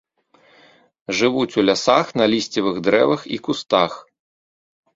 Жывуць у лясах на лісцевых дрэвах і кустах.